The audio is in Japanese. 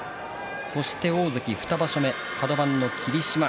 そして大関２場所目カド番の霧島。